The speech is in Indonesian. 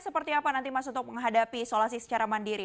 seperti apa nanti mas untuk menghadapi isolasi secara mandiri